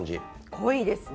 濃いですね。